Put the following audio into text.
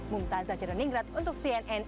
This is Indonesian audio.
mumtazah cereningrat untuk cnn